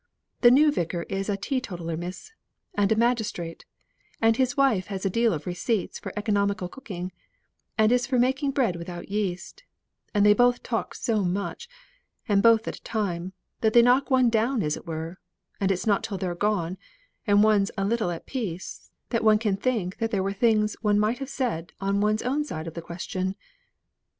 The new Vicar is a teetotaller, miss, and a magistrate, and his wife has a deal of receipts for economical cooking, and is for making bread without yeast; and they both talk so much, and both at a time, that they knock one down as it were, and it's not till they're gone, and one's a little at peace, that one can think that there were things one might have said on one's own side of the question.